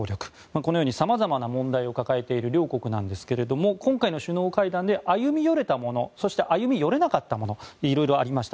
このように様々な問題を抱えている両国なんですが今回の首脳会談で歩み寄れたものそして歩み寄れなかったもの色々ありました。